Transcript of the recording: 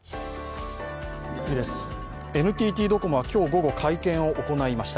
ＮＴＴドコモは今日午後会見を行いました。